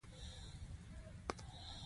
دوامدار کار څه پایله لري؟